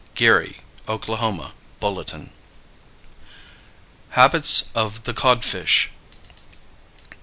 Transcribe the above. Geary (Oklahoma) Bulletin. HABITS OF THE CODFISH.